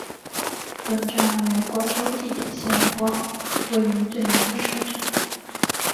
本站为广州地铁线网位处最南的车站。